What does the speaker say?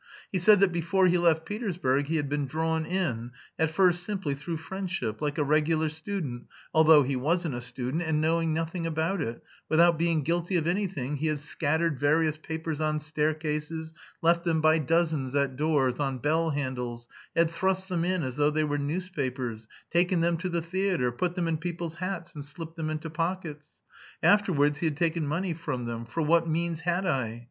He said that before he left Petersburg 'he had been drawn in, at first simply through friendship, like a regular student, although he wasn't a student,' and knowing nothing about it, 'without being guilty of anything,' he had scattered various papers on staircases, left them by dozens at doors, on bell handles, had thrust them in as though they were newspapers, taken them to the theatre, put them in people's hats, and slipped them into pockets. Afterwards he had taken money from them, 'for what means had I?'